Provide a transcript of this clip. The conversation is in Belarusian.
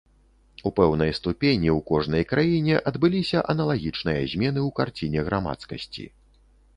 У пэўнай ступені ў кожнай краіне адбыліся аналагічныя змены у карціне грамадскасці.